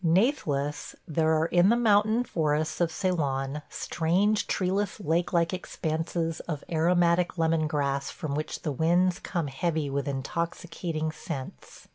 Natheless there are in the mountain forests of Ceylon strange, treeless, lake like expanses of aromatic lemon grass from which the winds come heavy with intoxicating scents.